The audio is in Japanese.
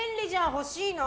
欲しいな。